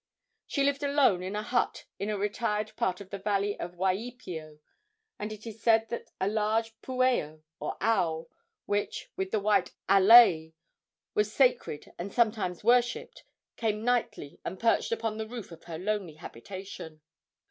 She lived alone in a hut in a retired part of the valley of Waipio, and it is said that a large pueo, or owl, which, with the white alae, was sacred and sometimes worshipped, came nightly and perched upon the roof of her lonely habitation.